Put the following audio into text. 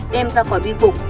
đem ra khỏi biêu cục